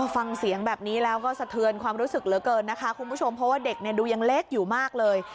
ฟังเสียงแบบนี้แล้วก็สะเทือนความรู้สึกเหลือเกินนะคะคุณผู้ชมเพราะว่าเด็กเนี่ยดูยังเล็กอยู่มากเลย